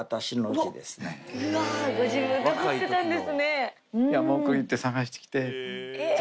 うわご自分で彫ってたんですね。